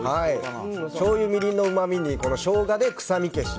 しょうゆ、みりんのうまみにショウガで臭み消し。